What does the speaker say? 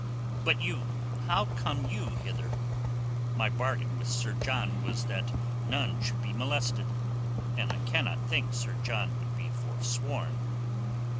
But you—how come you hither? My bargain with Sir John was that none should be molested, and I cannot think Sir John would be forsworn."